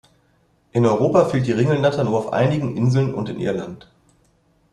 In Europa fehlt die Ringelnatter nur auf einigen Inseln und in Irland.